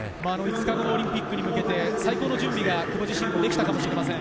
オリンピックに向けて最高の準備が久保自身もできたかもしれません。